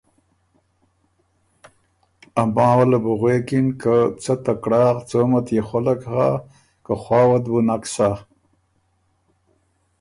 ا ماوه له بو غوېکن که څۀ ته کړاغ څومه تيې خؤلک هۀ که خواؤ ت بُو نک سَۀ